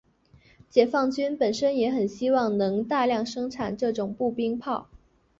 解放军本身也很希望能大量生产这种步兵炮。